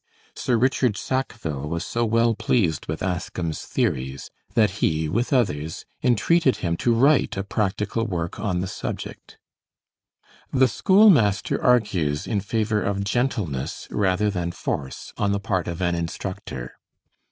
Sir Richard Sackville was so well pleased with Ascham's theories that he, with others, entreated him to write a practical work on the subject. 'The Schoolmaster' argues in favor of gentleness rather than force on the part of an instructor.